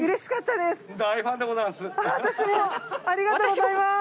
ありがとうございます。